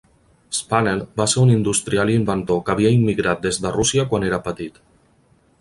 Spanel va ser un industrial i inventor que havia immigrat des de Rússia quan era petit.